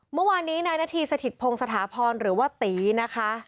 เมื่อวานนี้นายนาธีสถิตพงศ์สถาพรหรือว่าตีนะคะ